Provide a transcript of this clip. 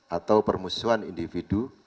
atau permusuhan individu